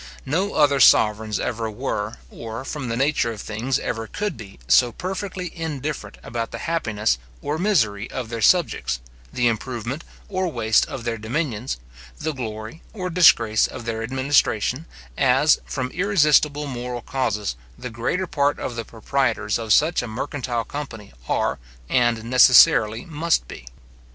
No other sovereigns ever were, or, from the nature of things, ever could be, so perfectly indifferent about the happiness or misery of their subjects, the improvement or waste of their dominions, the glory or disgrace of their administration, as, from irresistible moral causes, the greater part of the proprietors of such a mercantile company are, and necessarily must be.